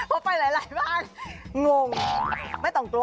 เราไปหลายบ้าง